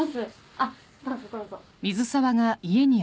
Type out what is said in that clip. あっどうぞどうぞ。